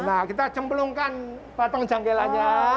nah kita cembelungkan patung janggelanya